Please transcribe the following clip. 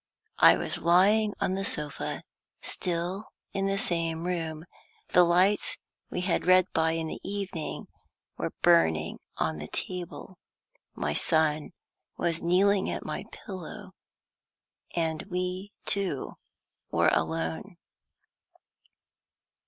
I was lying on the sofa, still in the same room; the lights we had read by in the evening were burning on the table; my son was kneeling at my pillow, and we two were alone.